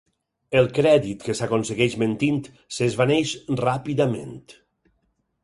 El crèdit que s'aconsegueix mentint, s'esvaneix ràpidament.